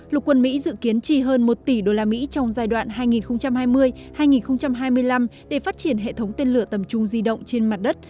lục quân mỹ dự kiến trì hơn một tỷ usd trong giai đoạn hai nghìn hai mươi hai nghìn hai mươi năm để phát triển hệ thống tên lửa tầm trung di động trên mặt đất